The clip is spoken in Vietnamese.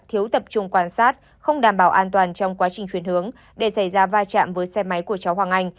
thiếu tập trung quan sát không đảm bảo an toàn trong quá trình chuyển hướng để xảy ra va chạm với xe máy của cháu hoàng anh